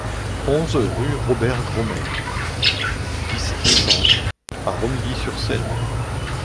onze rue Robert Graumer, dix, cent à Romilly-sur-Seine